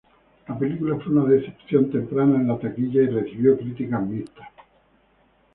La película fue una decepción temprana en la taquilla y recibió críticas mixtas.